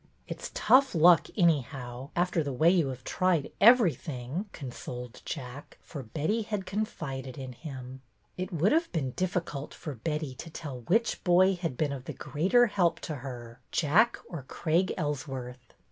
" It 's tough luck anyhow, after the way you have tried everything," consoled Jack, for Betty had confided in him. It would have been difficult for Betty to tell which boy had been of the greater help to her, 234 BETTY BAIRD'S VENTURES Jack or Craig Ellsworth.